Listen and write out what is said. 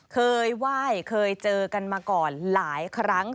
เคยไหว้เคยเจอกันมาก่อนหลายครั้ง